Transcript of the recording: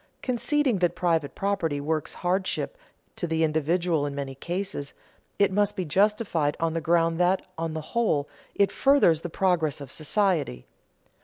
Conceding that private property works hardship to the individual in many cases, it must be justified on the ground that, on the whole, it furthers the progress of society.